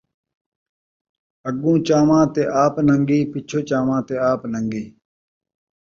اڳوں چاواں تاں آپ ننگی، پچھوں چاواں تاں آپ ننگی